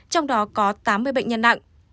trong đó có tám mươi bệnh nhân nặng